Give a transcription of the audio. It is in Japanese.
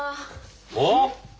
おっ？